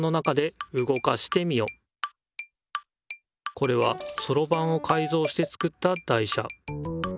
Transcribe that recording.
これはそろばんをかいぞうして作った台車。